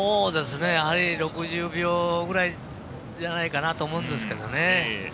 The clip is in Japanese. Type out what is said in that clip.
６０秒ぐらいじゃないかなと思うんですけどね。